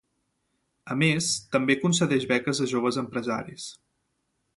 A més, també concedeix beques a joves empresaris.